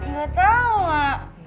nggak tau mak